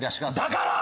だから！